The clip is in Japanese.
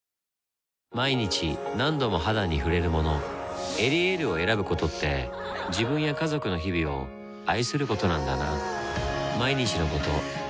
毎日何度も肌に触れるもの「エリエール」を選ぶことって自分や家族の日々を愛することなんだなぁ